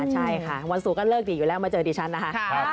ใช่ค่ะวันศุกร์ก็เลิกดีอยู่แล้วมาเจอดิฉันนะคะ